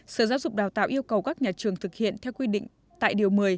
sở giáo dục đào tạo yêu cầu các nhà trường thực hiện theo quy định tại điều một mươi